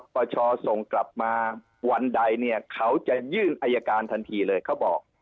ประชาส่งกลับมาวันใดเนี่ยเขาจะยื่นอายการทันทีเลยเขาบอก